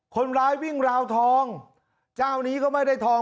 คนร้ายวิ่งราวทองเจ้านี้ก็ไม่ได้ทอง